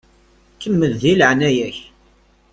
Kemmel di leɛnaya-k!